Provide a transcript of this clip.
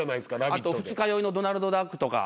あと二日酔いのドナルドダックとか。